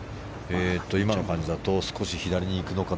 今の感じだと少し左に行くのか。